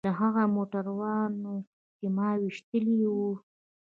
له هغو موټرانو چې ما ويشتلي وو.